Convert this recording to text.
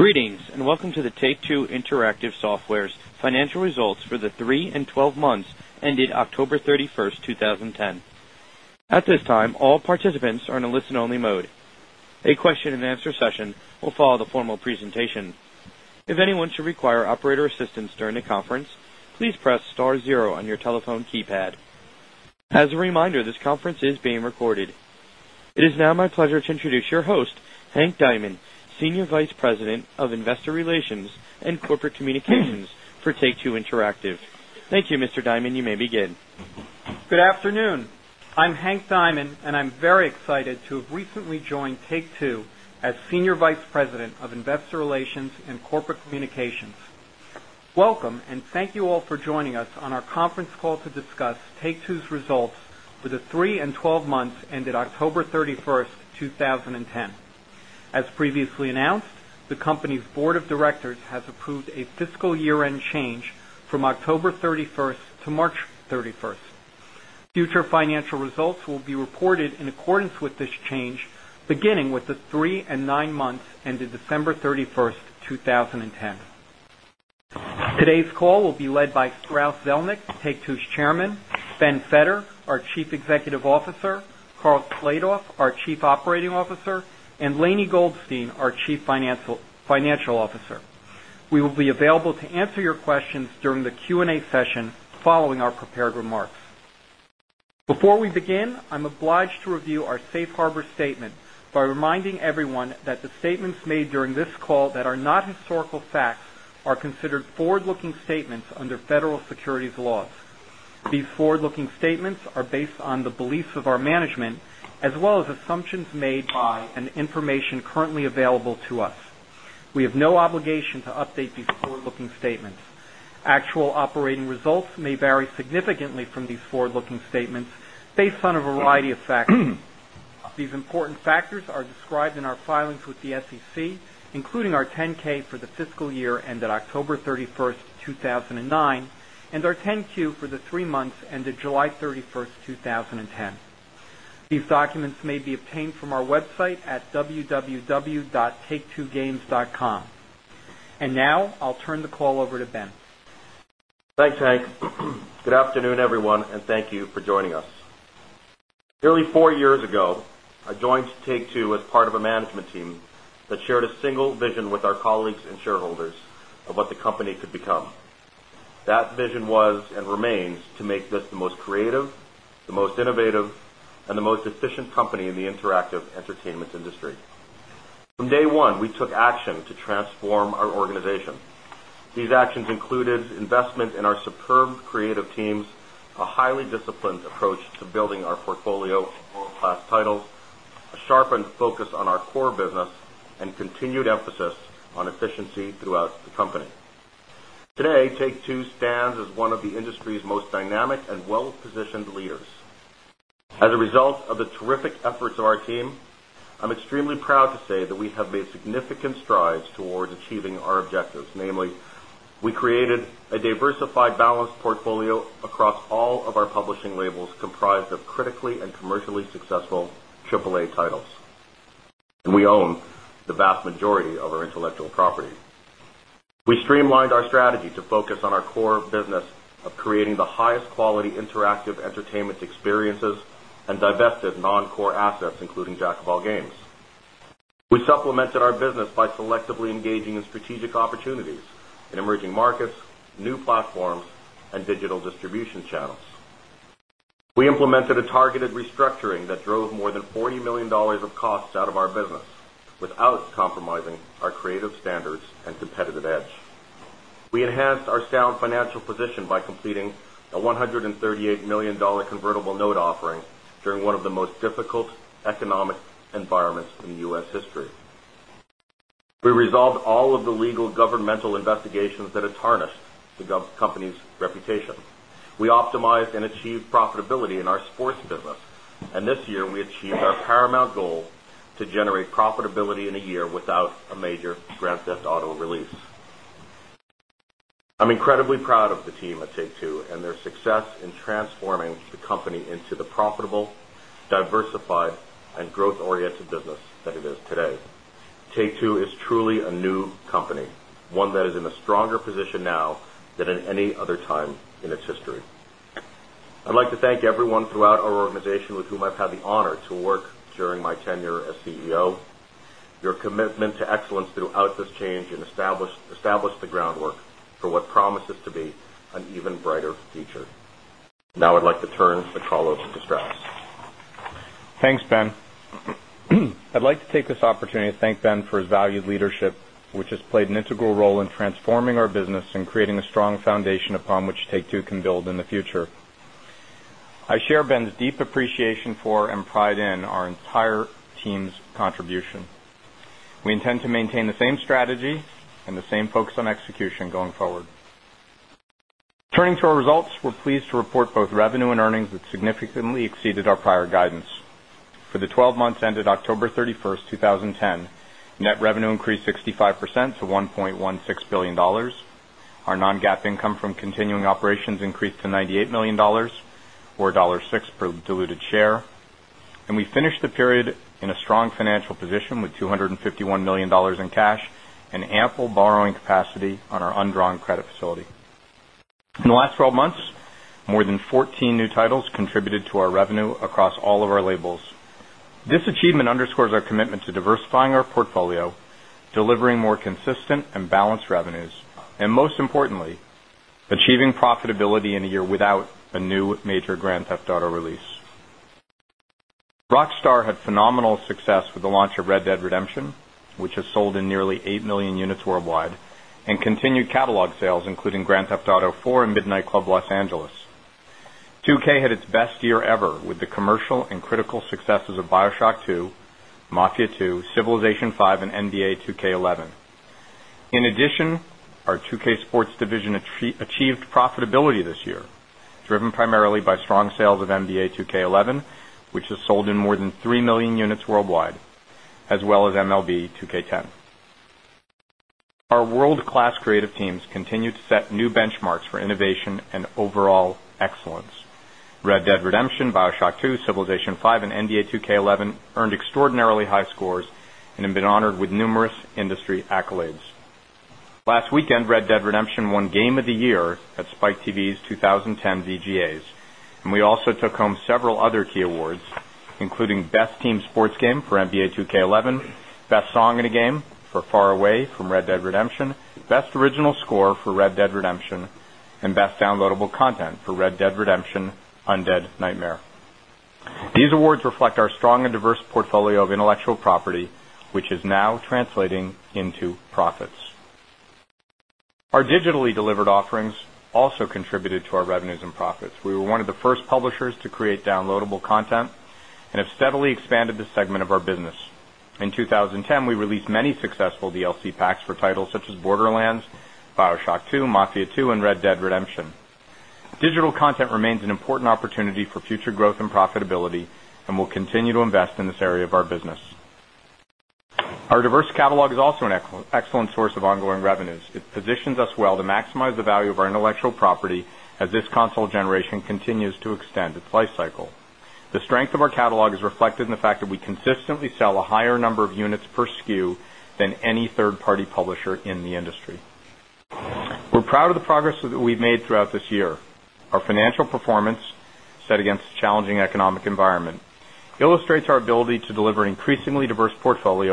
Greetings, and welcome to the Take 2 Interactive Software's Financial Results for the 3 12 months ended October 31, 2010. At this time, all participants are in a listen only mode. A question and answer session will follow the formal presentation As a reminder, this conference is being recorded. It is now my pleasure to introduce your host, Hank Diamond, Senior Vice President of Investor Relations And Corporate communications for Take 2 Interactive. Thank you, Mr. Dimon. You may begin. Good afternoon. I'm Hank Diamond, and I'm very excited to have recent me join Take 2 as Senior Vice President of Investor Relations And Corporate Communications. Welcome, and thank you all joining us on our conference call to discuss Take Two's results for the 3 12 months ended October 31, 2010. As previously announced, the company's board of directors has approved a fiscal year end change from October 31st to March 31st. Future financial results will be reported in accordance with this change beginning with the 3 9 months ended December 31, 2010. Today's call will be led by Strauss Zelnick, Take 2's Chairman, Ben Feder, our Chief Executive Officer Carl Kladoff, our Chief Operating Officer and Lainie Goldstein, our Chief Financial Officer. We will be available to answer your during the Q And A session following our prepared remarks. Before we begin, I'm obliged to review our Safe Harbor statement by reminding everyone that the statements made during this call that are not historical facts are considered forward looking statements under federal securities laws. These forward looking statements are based on the beliefs of our management as well as assumptions made by and information currently available to us. We have no obligation to update these forward looking statements. Actual operating results may vary significantly from these forward looking statements based on a variety of factors. These important factors are described in our filings with the SEC, including our 10 K for the fiscal year ended October 31st, 2009, and our 10 Q for the 3 months ended July 31 2010. These documents may be obtained from our website at w.take2games.com. And now, I'll turn the call over to Ben. Thanks, Hank. Good afternoon, everyone, and thank you for joining us. Early 4 years ago, I joined Take 2 as part of a management team that shared a single vision with our colleagues and shareholders of what the company could become. That vision was and remains to make this the most creative the most innovative and the most efficient company in the interactive entertainment industry. From day 1, we took action to transform our organization. These actions included investment in our superb creative teams, a highly disciplined approach to building our portfolio of world class titles, a sharpened focus on our core business and continued emphasis on efficiency throughout the company. Today, Take 2 stands as one of the industry's most dynamic and well positioned leaders. As a result of the terrific efforts of our team, I'm extremely proud to say that portfolio across all of our publishing labels comprised of critically and commercially successful AAA titles. And we own the vast majority of our intellectual property. We streamlined our strategy to focus on our core business of creating the highest quality interactive entertainment experiences and divested non core assets, including jack of all games. We supplemented our business by selectively engaging in strategic opportunities in emerging markets, new platforms, and digital distribution channels. We implemented a targeted restructuring that drove more than $40,000,000 of costs out of our business without compromising our creative standards and competitive edge. We enhanced our sound financial position by completing a $138,000,000 convertible note offering during one of the most difficult economic environments in U. S. History. We resolved all of the legal governmental investigations that had tarnished the company's reputation. We optimized and achieved profitability in our sports business. And this year, we achieved our paramount goal to generate profitability in a year without a major Grand Theft Auto release. I'm incredibly proud of the team at Take 2 and their 6 in transforming the company into the profitable, diversified, and growth oriented business that it is today. Tay 2 is truly a new company, one that is in a stronger position now than in any other time in its history. I'd like to thank everyone throughout our organization with whom I've had the honor to work during my tenure as CEO. Your commitment to excellence throughout this change and establish establish the groundwork for what promises to be an even brighter future. Now, I'd like to turn the call over to Strauss. Thanks, Ben. I'd like to take this opportunity to thank Ben for his valued leadership which has played an integral role in transforming our business and creating a strong foundation upon which Take 2 can build in the future. I share Ben's deep appreciation for pride in our entire team's contribution. We intend to maintain the same strategy and the same focus on execution going forward. Turning to our results, we're pleased to report both revenue and earnings that significantly exceeded our prior guidance. For the 12 months ended October 31, 2010, net revenue increased 65 percent to $1,160,000,000. Our non GAAP income from continuing operations increased to $98,000,000. $4 6 per diluted share. And we finished the period in a strong financial position with $251,000,000 in cash, and ample borrowing capacity on our undrawn credit facility. In the last 12 months, more than 14 new titles contributed to our revenue across all of our labels. This achievement underscores our commitment to diversifying our portfolio, delivering more consistent and balanced revenues. And most importantly, achieving profitability in a year without a new major Grand Theft Auto release. Rockstar had phenomenal success with the launch of Red Dead Redemption, which is sold in nearly 8,000,000 units worldwide and continued catalog sales, including Grand Theft Auto Four And Midnight Club Los Angeles. Two k had its best year ever with the commercial and critical successes of BioShock 2, mafia 2, Civilization 5, and NBA 2k11. In addition, our 2 k sports division achieved profitability this year, driven primarily by strong sales of NBA 2k11, which is sold in more than 3,000,000 units worldwide, as well as MLB 2K10. Our world class creative teams continued to set new benchmarks for innovation and overall excellence. Red Dead Redemption, BioShock 2, Civilization 5, and NBA 2k11 earned extraordinarily scores and have been honored with numerous industry accolades. Last weekend, Red Dead Redemption won game of the year at Spike TV's 2010 Z GAs. And we also took home several other key awards, including best team sports game for NBA 2k11, best song in a game for far away from Red Dead Redemption, best original score for Red Dead Redemption, and best downloadable content for Red Dead Redemption on Dead Nightmare. These awards reflect our strong and diverse portfolio of intellectual property, which is now translating into profits. Our digitally delivered offerings also contributed to our revenues and profits. We were one of the first publishers to create downloadable content and have steadily expanded the segment of our business. In 2010, we released many successful VLC packs for titles such as border lands, Bioshock 2, mafia 2, and Red Dead Redemption. Digital content remains an important opportunity for future growth and profitability and we'll continue to invest in this area of our business. Our diverse catalog is also an excellent source of ongoing revenues. It positions us well to maximize the value of our intellectual property as this console generation continues to stand its life cycle. The strength of our catalog is reflected in the fact that we consistently sell a higher number of units per SKU than any third party publisher in the industry. We're proud of the progress that we've made throughout this year. Our financial performance set against challenging economic environment illustrates our ability to deliver increasingly diverse portfolio